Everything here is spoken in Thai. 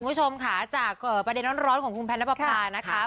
คุณผู้ชมค่ะจากประเด็นร้อนของคุณแพนปภานะคะ